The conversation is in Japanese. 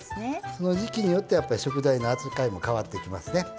その時期によってやっぱり食材の扱いも変わっていきますね。